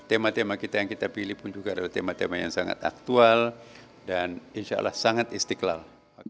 tema tema kita yang kita pilih pun juga ada tema tema yang sangat aktual dan insya allah sangat istiqlal